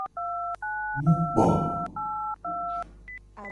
Mu kpo.